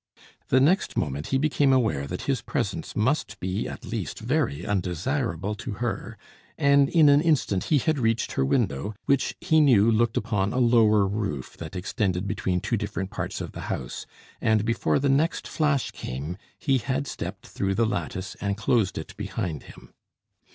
The next moment he became aware that his presence must be at least very undesirable to her; and in an instant he had reached her window, which he knew looked upon a lower roof that extended between two different parts of the house, and before the next flash came, he had stepped through the lattice and closed it behind him.